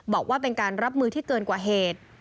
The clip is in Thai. บอกว่าเป็นการรับมือที่เกินกว่าเหตุ